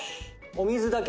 「お水だけ？」